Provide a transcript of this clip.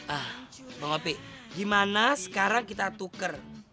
ah bang opi gimana sekarang kita tuker